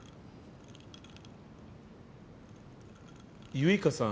結花さん